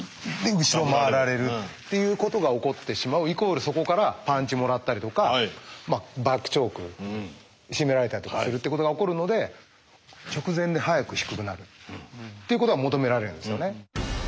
後ろ回られるっていうことが起こってしまうイコールそこからパンチもらったりとかバックチョーク絞められたりとかするってことが起こるので直前で速く低くなるっていうことが求められるんですよね。